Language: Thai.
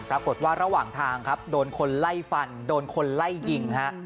ปรากฏว่าระหว่างทางครับโดนคนไล่ฟันโดนคนไล่ยิงฮะ